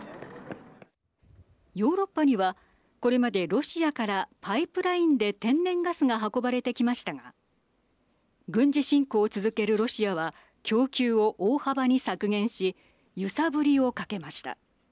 ヨーロッパにはこれまでロシアからパイプラインで天然ガスが運ばれてきましたが軍事侵攻を続けるロシアは供給を大幅に削減し揺さぶりをかけました。